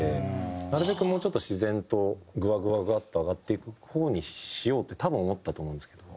なるべくもうちょっと自然とグワグワグワッと上がっていく方にしようって多分思ったと思うんですけど。